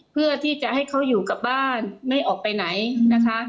เพื่อที่จะให้เขาอยู่กับบ้านไม่ออกไปไหนนะคะ